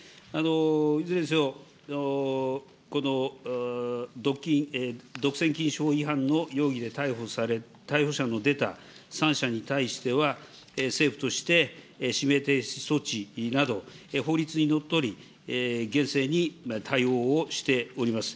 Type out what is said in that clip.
いずれにせよ、この独占禁止法違反の容疑で逮捕者の出た３社に対しては、政府として指名停止措置など、法律にのっとり、厳正に対応をしております。